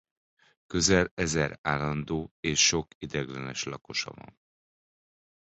Közel ezer állandó és sok ideiglenes lakosa van.